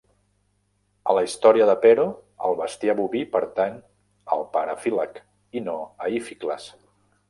A la història de Pero, el bestiar boví pertany al pare Fílac, i no a Íficles.